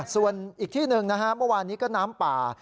ส่วนอีกที่หนึ่งนะฮะเมื่อวานนี้ก็น้ำป่า